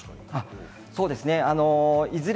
そうですね。